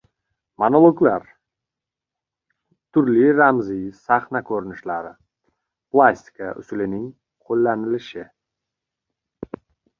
monologlar, turli ramziy sahna ko‘rinishlari, plastika usulining qo‘llanilishi